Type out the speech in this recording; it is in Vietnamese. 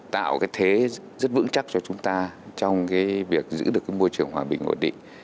tạo thế rất vững chắc cho chúng ta trong việc giữ được môi trường hoàn bình ổn định